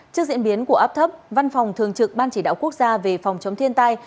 trước diễn biến của áp thấp văn phòng thường trực ban chỉ đạo quốc gia về phòng chống thiên tai